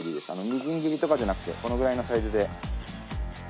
みじん切りとかじゃなくてこのぐらいのサイズで。